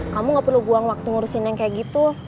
kamu gak perlu buang waktu ngurusin yang kayak gitu